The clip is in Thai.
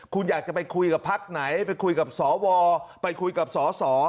คุณอยากจะไปคุยกับพักไหนไปคุยกับสวไปคุยกับสส